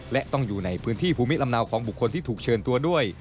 และต้องอยู่ในพื้นที่ภูมิลำเนาของบุคคลที่ถูกเชิญตัวด้วย